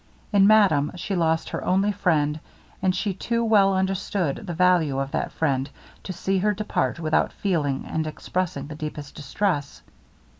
In madame she lost her only friend; and she too well understood the value of that friend, to see her depart without feeling and expressing the deepest distress.